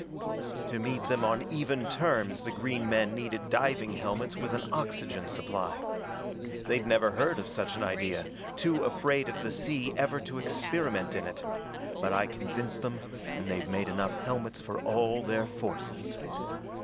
To meet them on even terms the green men needed diving helmets with an oxygen supply. They'd never heard of such an idea, too afraid of the sea ever to experiment in it, but I convinced them and they've made enough helmets for all their forces.